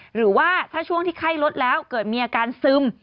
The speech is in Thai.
หรือว่าถ้าช่วงที่ไข้ลดแล้วเกิดมีอาการซึม